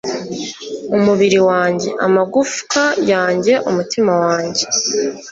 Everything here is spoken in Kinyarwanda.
umubiri wanjye, amagufwa yanjye, umutima wanjye